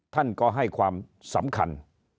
ท่านก็ให้ความสำคัญ